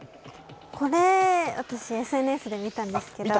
これ私、ＳＮＳで見たんですけど。